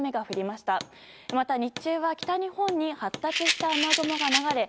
また、日中は北日本に発達した雨雲が流れ